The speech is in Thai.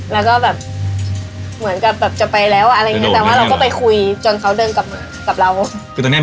แล้วก็เหมือนจะไปแล้วแต่เราก็ไปคุยจนเขาก็เดินกลับมากับเรา